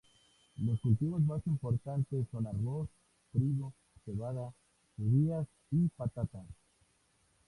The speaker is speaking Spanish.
Los cultivos más importantes son arroz, trigo, cebada, judías y patatas.